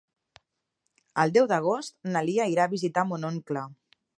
El deu d'agost na Lia irà a visitar mon oncle.